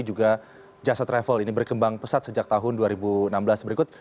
juga jasa travel ini berkembang pesat sejak tahun dua ribu enam belas berikut